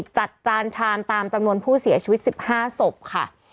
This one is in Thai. จานชามตามจำนวนผู้เสียชีวิต๑๕ศพค่ะ